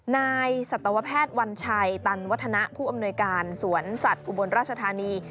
นายสัตวแพทย์วัญชัยตันวัฒนะผู้อำนวยการสวนสัตว์อุบลราชธานี